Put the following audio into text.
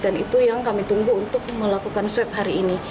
dan itu yang kami tunggu untuk melakukan swab hari ini